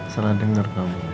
salah denger kamu